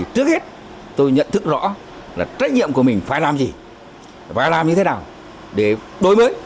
trước hết tôi nhận thức rõ là trách nhiệm của mình phải làm gì và làm như thế nào để đổi mới